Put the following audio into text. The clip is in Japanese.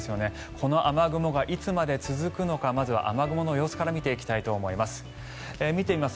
この雨雲がいつまで続くのかまずは雨雲の様子から見ていきたいと思います。